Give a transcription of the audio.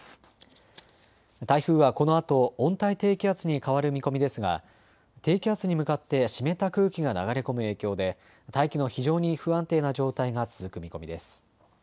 台風はこのあと温帯低気圧に変わる見込みですが低気圧に向かって湿った空気が流れ込む影響で大気の非常に不安定な状態が続く見込みです。